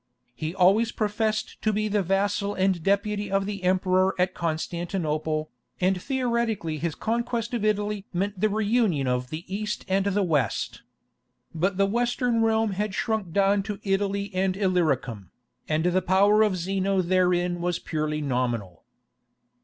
He always professed to be the vassal and deputy of the emperor at Constantinople, and theoretically his conquest of Italy meant the reunion of the East and the West. But the Western realm had shrunk down to Italy and Illyricum, and the power of Zeno therein was purely nominal.